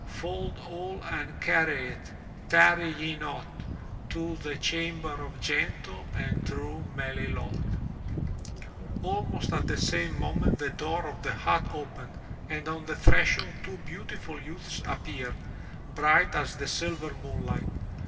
Fold all and carry it, tarry ye not, To the chamber of gentle and true Melilot, Almost at the same moment the door of the hut opened and on the threshold two beautiful youths appeared, bright as the silver moonlight.